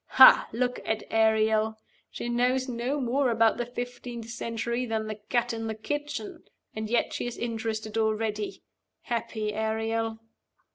Ha! look at Ariel. She knows no more about the fifteenth century than the cat in the kitchen, and yet she is interested already. Happy Ariel!"